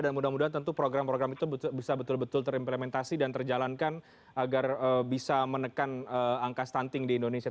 dan mudah mudahan tentu program program itu bisa betul betul terimplementasi dan terjalankan agar bisa menekan angka stunting di indonesia